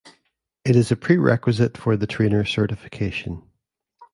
It is a prerequisite for the trainer certification.